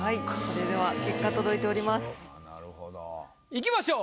いきましょう。